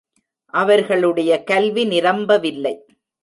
அவர்களுடைய கல்வி நிரம்பவில்லை.